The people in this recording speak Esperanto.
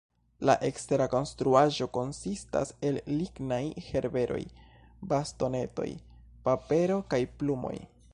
La ekstera konstruaĵo konsistas el lignaj herberoj, bastonetoj, papero kaj plumoj.